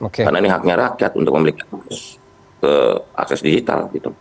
karena ini haknya rakyat untuk memiliki akses digital